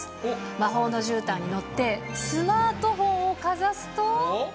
魔法のじゅうたんに乗って、スマートフォンをかざすと。